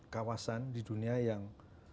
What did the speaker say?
kawasan di dunia yang